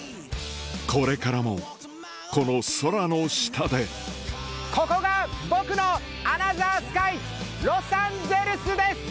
これからもこの空の下でここが僕のアナザースカイロサンゼルスです！